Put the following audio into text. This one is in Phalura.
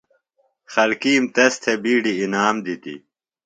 خلکِیم تس تھےۡ بِیڈیۡ انعام دِتیۡ۔